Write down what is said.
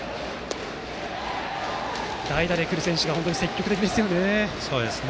代打で来る選手が本当に積極的ですね。